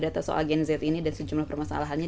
data soal gen z ini dari sejumlah permasalahannya